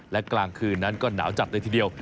และกลางคืนนั้นก็หนาวจัดเลยทีเดียว